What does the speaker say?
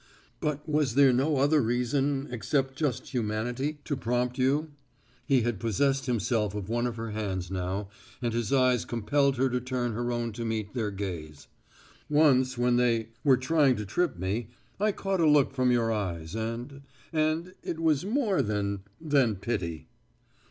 "But was there no other reason except just humanity to prompt you?" He had possessed himself of one of her hands now, and his eyes compelled her to turn her own to meet their gaze. "Once when they were trying to trip me, I caught a look from your eyes, and and it was more than than pity."